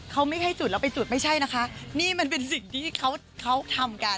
เขาไม่ให้จุดแล้วไปจุดไม่ใช่นะคะนี่มันเป็นสิ่งที่เขาทำกัน